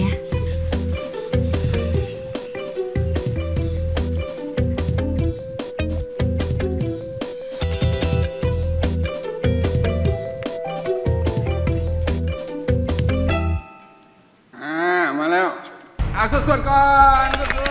อีกก็พูดว่าแซ่บจะเป็นพี่ร้อน